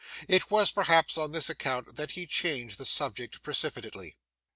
It was, perhaps, on this account that he changed the subject precipitately.